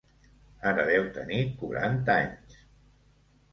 Ara deu tenir quaranta anys.